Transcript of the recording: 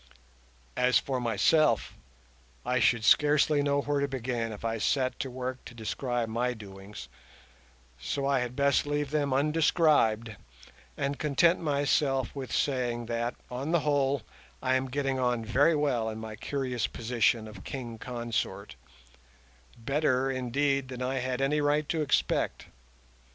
As for myself, I should scarcely know where to begin if I set to work to describe my doings, so I had best leave them undescribed, and content myself with saying that, on the whole, I am getting on very well in my curious position of King Consort—better, indeed, than I had any right to expect.